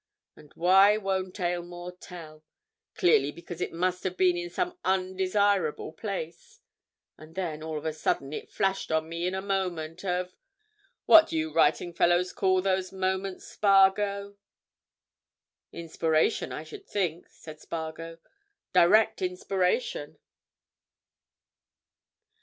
And why won't Aylmore tell? Clearly because it must have been in some undesirable place. And then, all of a sudden, it flashed on me in a moment of—what do you writing fellows call those moments, Spargo?" "Inspiration, I should think," said Spargo. "Direct inspiration."